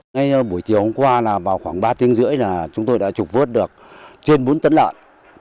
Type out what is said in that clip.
ngay buổi chiều hôm qua vào khoảng ba tiếng rưỡi chúng tôi đã chụp vứt được trên bốn tấn lợn